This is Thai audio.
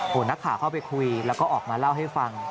นักข่าวเข้าไปคุยแล้วก็ออกมาเล่าให้ฟัง